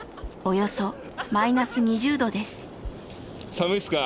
・寒いっすか？